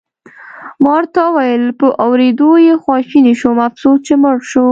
ما ورته وویل: په اورېدو یې خواشینی شوم، افسوس چې مړ شو.